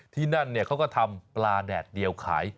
ที่นั่นเขาก็ทำปลาแดดเดียวขาย